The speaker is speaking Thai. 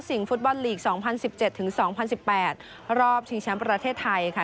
สิ่งฟุตบอลลีก๒๐๑๗๒๐๑๘รอบชิงช้ำประเทศไทยค่ะ